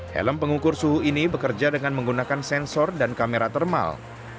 helm pengukur suhu ini bekerja dengan menggunakan sensor dan kamera thermal